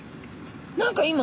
何か今。